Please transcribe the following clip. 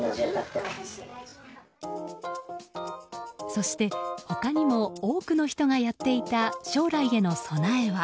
そして、他にも多くの人がやっていた将来への備えは。